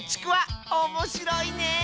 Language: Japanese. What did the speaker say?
おもしろいね！